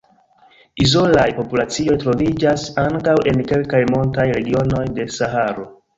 Izolaj populacioj troviĝas ankaŭ en kelkaj montaj regionoj de Saharo.